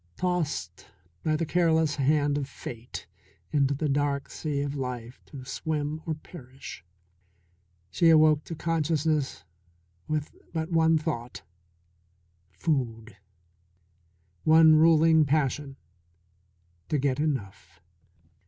Tossed by the careless hand of Fate into the dark sea of life to swim or perish, she awoke to consciousness with but one thought food; one ruling passion to get enough.